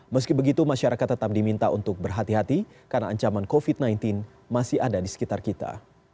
meski begitu masyarakat tetap diminta untuk berhati hati karena ancaman covid sembilan belas masih ada di sekitar kita